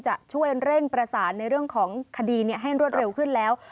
จะช่วยเร่งประสานในเรื่องของคดีให้รวดเร็วขึ้นแล้ว